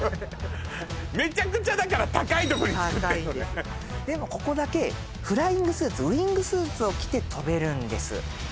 めちゃくちゃだから高い所につくってるのねでもここだけフライングスーツウイングスーツを着て飛べるんです